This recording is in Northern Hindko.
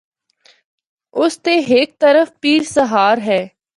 اس دے ہک طرف ’پیر سہار‘ ہے۔